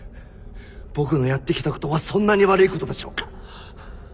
僕のやってきたことはそんなに悪いことでしょうか？